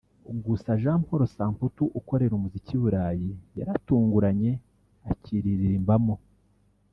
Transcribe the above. gusa Jean Paul Samputu ukorera umuziki i Burayi yaratunguranye akiririmbamo